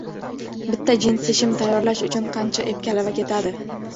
Bitta jinsi shim tayyorlash uchun qancha ip-kalava ketadi?